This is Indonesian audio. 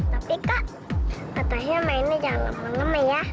tapi kak kak tasya mainnya jangan lupa lupa ya